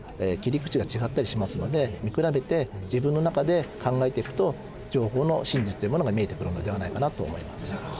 見比べて自分の中で考えていくと情報の真実というものが見えてくるのではないかなと思います。